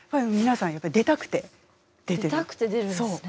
出たくて出るんですね。